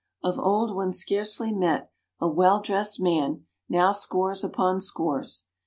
Of old one scarcely met a well dressed man now scores upon scores.